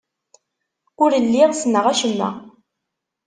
Ur lliɣ ssneɣ acemma.